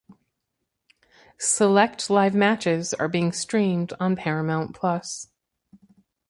Select live matches are being streamed on Paramount Plus.